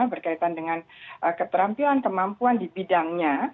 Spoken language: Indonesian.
berkaitan dengan keterampilan kemampuan di bidangnya